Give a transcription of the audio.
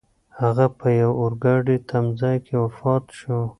هغه په یوه اورګاډي تمځای کې وفات شو.